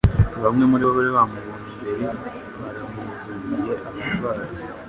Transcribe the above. Bamwe muri bo bari baramubonye mbere baramuzaniye abarwayi